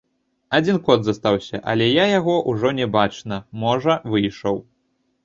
Адзін кот застаўся, але я яго ўжо не бачна, можа, выйшаў.